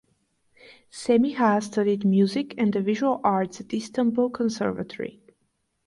Semiha studied music and the visual arts at Istanbul Conservatory.